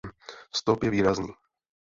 Stop je výrazný.